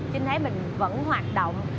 trinh thấy mình vẫn hoạt động